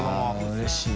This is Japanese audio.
うれしい。